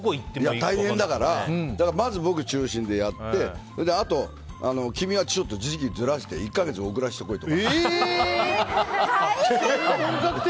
大変だから、僕中心でやって君はちょっと時期をずらして１か月遅らせてこいとか。